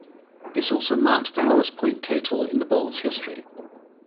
This also marked the lowest point total in the bowl's history.